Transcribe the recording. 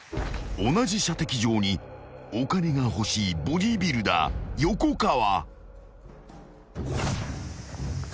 ［同じ射的場にお金が欲しいボディビルダー横川］